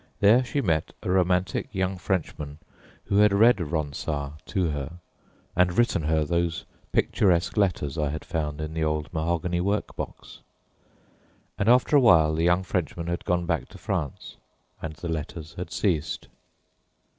There she met a romantic young Frenchman who had read Ronsard to her and written her those picturesque letters I had found in the old mahogany work box. And after a while the young Frenchman had gone back to France, and the letters had ceased.